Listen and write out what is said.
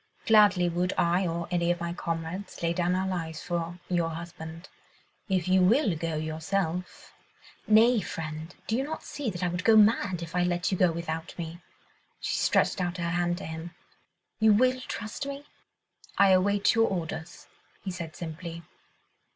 Gladly would I or any of my comrades lay down our lives for your husband. If you will go yourself ..." "Nay, friend, do you not see that I would go mad if I let you go without me?" She stretched out her hand to him. "You will trust me?" "I await your orders," he said simply.